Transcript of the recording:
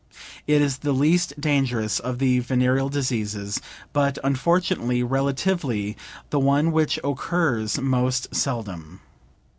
It is the least dangerous of the venereal diseases, but unfortunately, relatively the one which occurs most seldom.